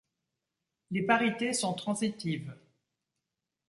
Les parités sont transitives.